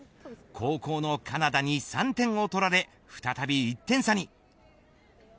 後攻のカナダに３点を取られ、再び１点差に。